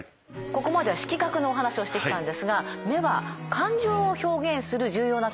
ここまでは色覚のお話をしてきたんですが目は感情を表現する重要な器官でもあります。